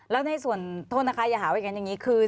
แล้วในส่วนโทษนะคะอย่าหาว่าอย่างนั้นอย่างนี้คือ